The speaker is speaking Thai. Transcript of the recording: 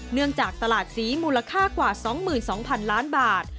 เนื่องจากตลาดศรีมูลค่ากว่า๒๒๐๐๐ล้านบาท